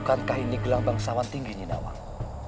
bukankah ini gelang bangsawan tinggi nyi nawang